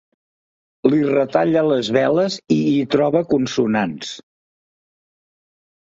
Li retalla les veles i hi troba consonants.